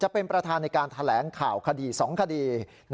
เป็นประธานในการแถลงข่าวคดี๒คดี